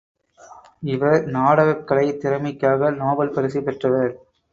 இவர் நாடகக் கலை திறமைக்காக நோபல் பரிசு பெற்றவர்.